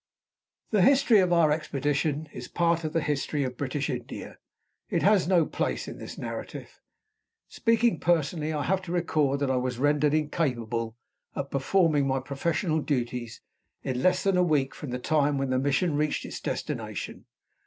The history of our expedition is part of the history of British India. It has no place in this narrative. Speaking personally, I have to record that I was rendered incapable of performing my professional duties in less than a week from the time when the mission reached its destination.